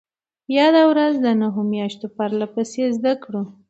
ياده ورځ د نهو مياشتو پرلهپسې زدهکړو